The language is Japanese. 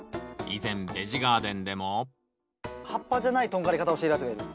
以前ベジガーデンでも葉っぱじゃないとんがり方をしているやつがいる。